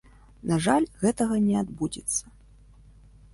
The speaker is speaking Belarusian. На жаль, гэтага не адбудзецца.